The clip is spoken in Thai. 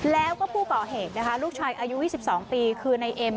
แล้วก็ผู้เกาะเหตุนะคะลูกชายอายุยี่สิบสองปีคือในเอ็ม